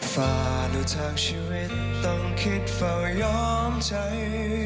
ฝ่าหรือทางชีวิตต้องคิดฝ่ายอมใช้